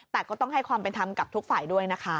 แต่ก็ต้องให้ความเป็นธรรมกับทุกฝ่ายด้วยนะคะ